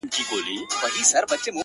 نوم مي د ليلا په لاس کي وليدی ـ